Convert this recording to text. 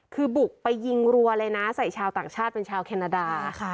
คือบุกไปยิงรัวเลยนะใส่ชาวต่างชาติเป็นชาวแคนาดา